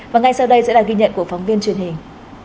và ngay sau đây sẽ là ghi nhận của phóng viên truyền hình